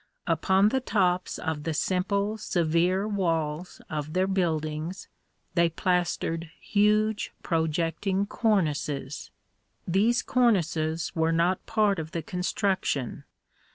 Upon the tops of the simple, severe walls of their buildings they plastered huge projecting cornices. These cornices were not part of the construction.